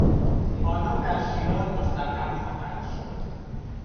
آنان در شیراز مستقر خواهند شد.